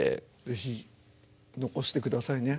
是非残してくださいね。